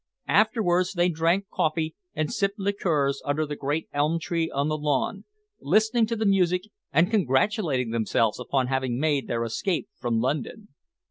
Afterwards they drank coffee and sipped liqueurs under the great elm tree on the lawn, listening to the music and congratulating themselves upon having made their escape from London.